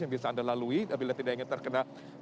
yang bisa anda lalui bila tidak ingin terkena